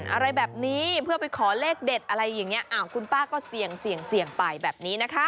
อะไรแบบนี้เพื่อไปขอเลขเด็ดอะไรอย่างนี้คุณป้าก็เสี่ยงเสี่ยงไปแบบนี้นะคะ